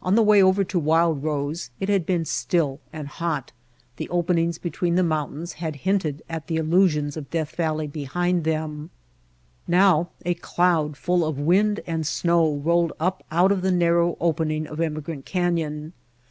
On the way over to Wild Rose it had been still and hot, the openings between the moun tains had hinted at the illusions of Death Valley behind them; now a cloud full of wind and snow rolled up out of the narrow opening of Emigrant Canyon.